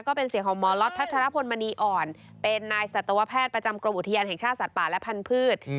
ก็เป็นเสียงของหมอล็อตพัทรพลมณีอ่อนเป็นนายสัตวแพทย์ประจำกรมอุทยานแห่งชาติสัตว์ป่าและพันธุ์